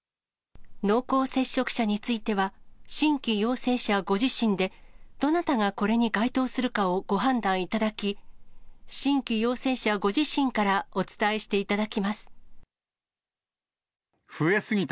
濃厚接触者については、新規陽性者ご自身で、どなたがこれに該当するかをご判断いただき、新規陽性者ご自身からお伝えしていただきます。